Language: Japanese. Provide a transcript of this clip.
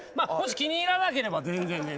もし気に入らなければ全然全然。